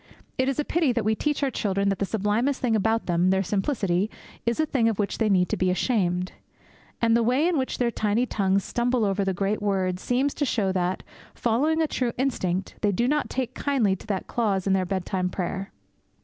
It is a pity that we teach our children that the sublimest thing about them their simplicity is a thing of which they need to be ashamed. And the way in which their tiny tongues stumble over the great word seems to show that, following a true instinct, they do not take kindly to that clause in their bedtime prayer.